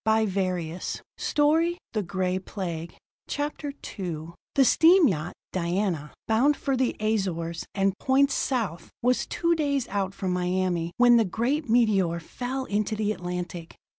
Parkinson's story follows: CHAPTER II The steam yacht, Diana, bound for the Azores and points south, was two days out from Miami when the great meteor fell into the Atlantic.